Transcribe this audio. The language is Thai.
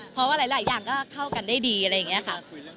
เพราะว่าหลายอย่างก็เข้ากันได้ดีอะไรอย่างนี้ค่ะ